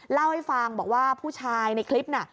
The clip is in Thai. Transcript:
เล่าให้ฟังบอกว่าผู้ชายในคลิปน่ะ